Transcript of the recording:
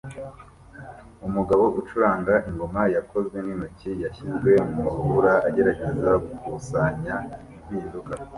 Umugabo ucuranga ingoma yakozwe n'intoki yashyizwe mu rubura agerageza gukusanya impinduka